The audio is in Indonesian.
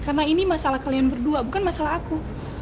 karena ini masalah kalian berdua bukan masalah aku